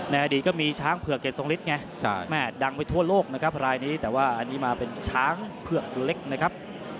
อดีตก็มีช้างเผือกเกตทรงฤทธิไงแม่ดังไปทั่วโลกนะครับรายนี้แต่ว่าอันนี้มาเป็นช้างเผือกเล็กนะครับ